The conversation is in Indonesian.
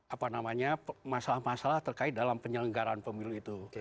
apa namanya masalah masalah terkait dalam penyelenggaraan pemilu itu